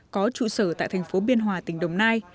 có trụ sở tại thành phố biên hòa tỉnh đồng nai